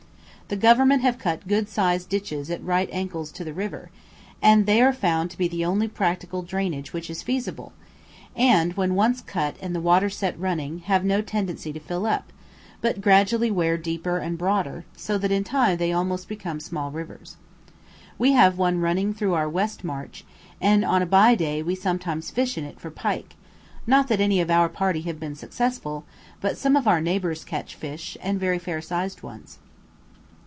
The Government have cut good sized ditches at right angles to the river, and they are found to be the only practical drainage which is feasible, and, when once cut and the water set running, have no tendency to fill up, but gradually wear deeper and broader, so that in time they almost become small rivers. We have one running through our west marsh, and on a bye day we sometimes fish in it for pike; not that any of our party have been successful, but some of our neighbours catch fish, and very fair sized ones.